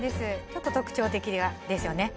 ちょっと特徴的ですよね